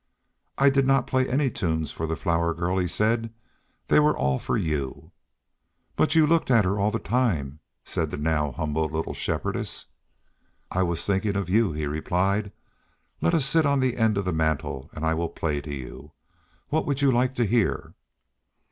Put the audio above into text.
"I did not play any tunes for the Flower Girl," he said, "they were all for you." "But you looked at her all the time," said the now humble little Shepherdess. "I was thinking of you," he replied. "Let us sit on the end of the mantel and I will play to you. What would you like to hear?"